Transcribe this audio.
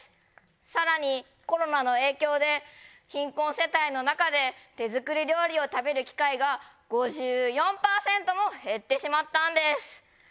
更にコロナの影響で貧困世帯のなかで手作り料理を食べる機会が５４％も減ってしまったんです。